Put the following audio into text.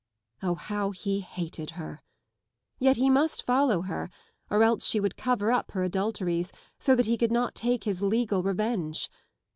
Oh, how he hated her ! Yet he must follow her, or else she would cover up her adulteries so that he could not take his legal revenge.